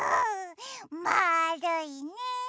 まあるいね。